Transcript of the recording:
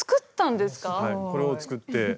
これを作って。